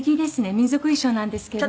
民族衣装なんですけれども。